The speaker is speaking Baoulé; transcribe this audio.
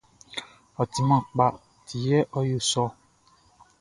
Ɔ timan kpa ti yɛ ɔ yo sɔ ɔ.